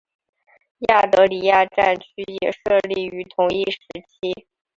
亚德里亚战区也设立于同一时期。